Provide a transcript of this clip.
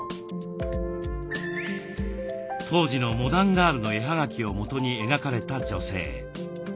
当時の「モダンガール」の絵葉書をもとに描かれた女性。